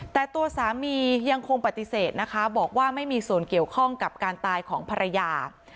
แต่ตัวสามียังคงปฏิเสธนะคะบอกว่าไม่มีส่วนเกี่ยวข้องกับการตายของภรรยา